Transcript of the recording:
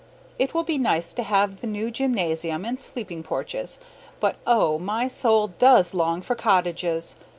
It will be nice to have the new gymnasium and sleeping porches, but, oh, my soul does long for cottages!